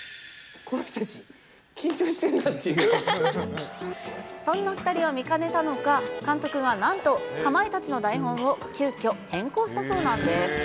この人たち、緊張してるんそんな２人を見かねたのか、監督がなんとかまいたちの台本を急きょ変更したそうなんです。